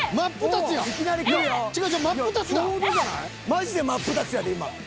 マジでマップタツやで今。